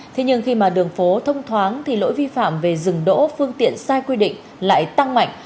thế nhưng khi mà đường phố thông thoáng thì lỗi vi phạm về dừng đỗ phương tiện sai quy định lại tăng mạnh